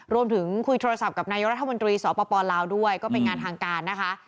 รวมถึงคุยโทรศัพท์กับนายกรัฐมนตรีสปลาวด้วยก็เป็นงานทางการนะคะ